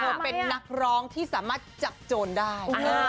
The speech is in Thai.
เป็นนักร้องที่สามารถจับโจรได้